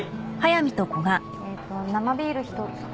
えっと生ビール１つと。